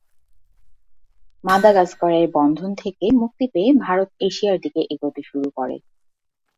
মাদাগাস্কারের বন্ধন থেকে মুক্তি পেয়ে ভারত এশিয়ার দিকে এগোতে শুরু করে।